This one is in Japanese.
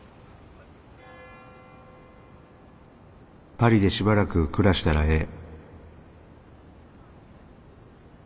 「パリでしばらく暮らしたらええ」。